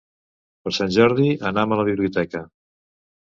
Per Sant Jordi anam a la biblioteca.